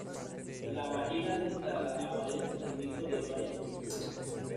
La "vagina dentata" aparece en mitos de varias culturas.